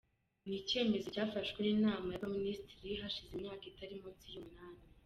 Ni n’icyemezo cyafashwe n’inama y’abaminisitiri, hashize imyaka itari munsi y’umunani.”